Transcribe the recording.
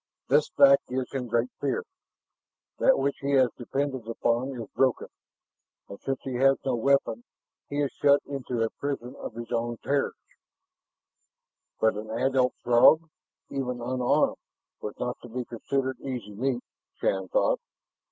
"This fact gives him great fear. That which he has depended upon is broken. And since he has no weapon, he is shut into a prison of his own terrors." But an adult Throg, even unarmed, was not to be considered easy meat, Shann thought.